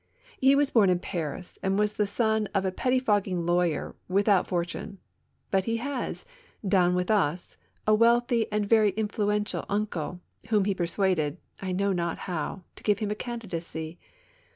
lie was born in Paris and was the son of a pettifogging lawyer without for tune ; but he has, down with us, a wealthy and very influential uncle, whom he persuaded, I know not how, to give him a candidacy.